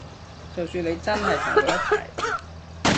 就算你真係同佢一齊